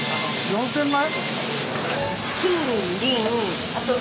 ４，０００枚？